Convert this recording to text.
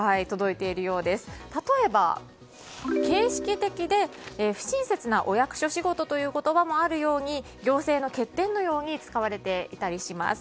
例えば、形式的で不親切なお役所仕事もあるように行政の欠点のように思われています。